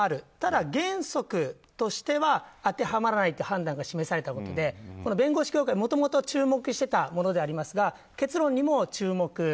しかし、原則として当てはまらないという判断が示されたわけで弁護士協会、もともと注目していたものでありますが結論にも注目。